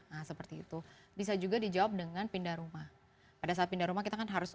nah seperti itu bisa juga dijawab dengan pindah rumah pada saat pindah rumah kita kan harus